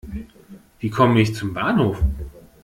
Wie komme ich zum Bahnhof?